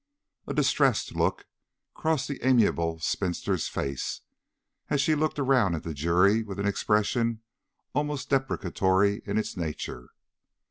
A distressed look crossed the amiable spinster's face, and she looked around at the jury with an expression almost deprecatory in its nature.